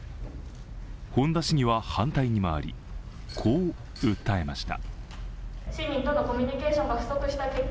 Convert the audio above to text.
本多市議は反対に回り、こう訴えました。